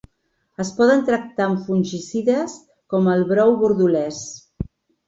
Es poden tractar amb fungicides com el brou bordelès.